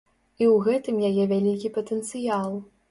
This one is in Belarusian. І ў гэтым яе вялікі патэнцыял.